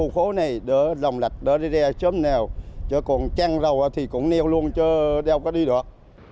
khơi thông lạch để tàu sớm vươn khơi đón lục biển muộn của năm mới